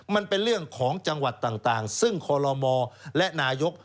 มันเป็นเรื่องของจังหวัดต่างซึ่งคอลโลมและนายก